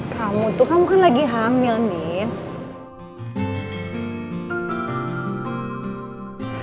kamu tuh kamu kan lagi hamil nih